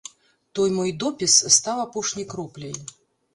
Той мой допіс стаў апошняй кропляй.